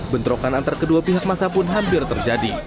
bentrokan antar kedua pihak masa pun hampir terjadi